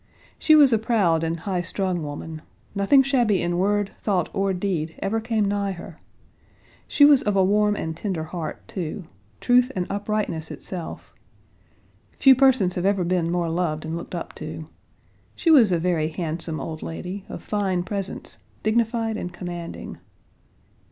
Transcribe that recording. She was a proud and high strung woman. Nothing shabby in word, thought, or deed ever came nigh her. She was of a warm and tender heart, too; truth and uprightness itself. Few persons have ever been more loved and looked up to. She was a very handsome old lady, of fine presence, dignified and commanding.